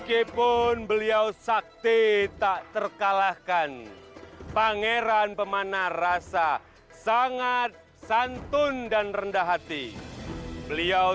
beliau sakti tak terkalahkan pangeran pemanah rasa sangat santun dan rendah hati beliau